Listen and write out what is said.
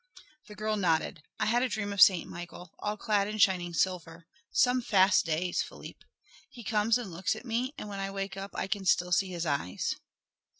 The girl nodded her head. "I dream of Saint Michael, all clad in shining silver, some fast days, Philippe. He comes and looks at me, and when I wake up I can still see his eyes."